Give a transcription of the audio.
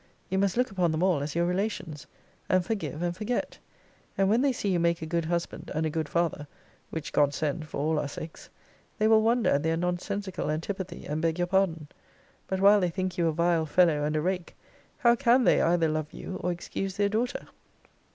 You must look upon them all as your relations; and forgive and forget. And when they see you make a good husband and a good father, [which God send, for all our sakes!] they will wonder at their nonsensical antipathy, and beg your pardon: But while they think you a vile fellow, and a rake, how can they either love you, or excuse their daughter?